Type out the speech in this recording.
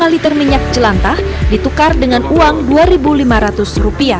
lima liter minyak jelantah ditukar dengan uang rp dua lima ratus